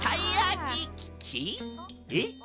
えっ？